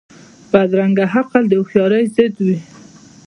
بدرنګه عقل د هوښیارۍ ضد وي